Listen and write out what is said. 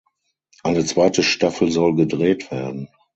Eine zweite Staffel soll gedreht werden.